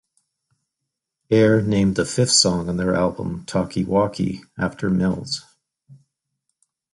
Air named the fifth song on their album "Talkie Walkie" after Mills.